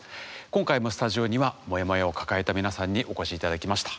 今回もスタジオにはモヤモヤを抱えた皆さんにお越し頂きました。